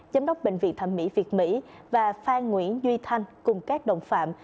giám đốc bệnh viện thẩm mỹ việt mỹ và phan nguyễn duy thanh cùng các đồng phạm